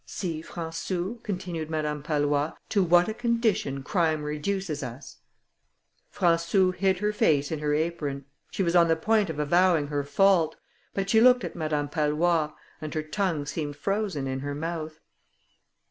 "See, Françou," continued Madame Pallois, "to what a condition crime reduces us." Françou hid her face in her apron; she was on the point of avowing her fault; but she looked at Madame Pallois, and her tongue seemed frozen in her mouth.